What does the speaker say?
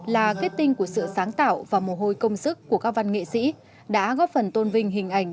là kết tinh của sự sáng tạo và mồ hôi công sức của các văn nghệ sĩ đã góp phần tôn vinh hình ảnh